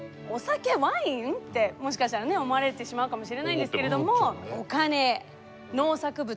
ワイン？」ってもしかしたら思われてしまうかもしれないんですけれどもお金農作物